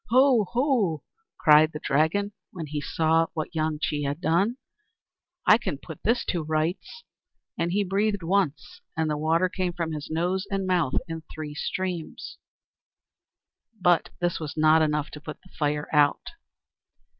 "Ho! ho!" cried the Dragon, when he saw what Wang Chih had done, "I can soon put this to rights." And he breathed once, and the water came from his nose and mouth in three streams. But this was not enough to put the fire out.